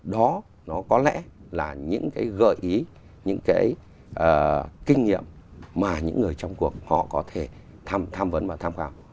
đó nó có lẽ là những cái gợi ý những cái kinh nghiệm mà những người trong cuộc họ có thể tham vấn và tham khảo